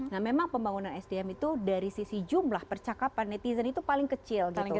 nah memang pembangunan sdm itu dari sisi jumlah percakapan netizen itu paling kecil gitu